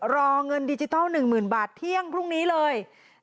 รอเงินดิจิทัล๑๐๐๐บาทเที่ยงพรุ่งนี้เลย